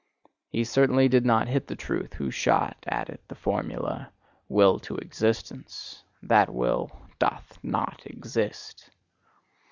He certainly did not hit the truth who shot at it the formula: 'Will to existence': that will doth not exist!